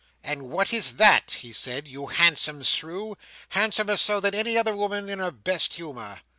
"And what is that," he said, "you handsome shrew? Handsomer so, than any other woman in her best humour?"